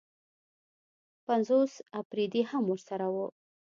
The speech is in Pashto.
پنځوس اپرېدي هم ورسره وو.